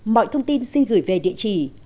mọi thông tin xin gửi về địa chỉ